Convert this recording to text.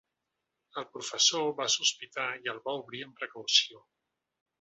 El professor va sospitar, i el va obrir amb precaució.